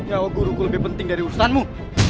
hanya kau guruku lebih penting dari urusanmu